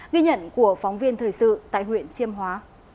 ghi nhận của phóng viên thời sự tại huyện chiêm hóa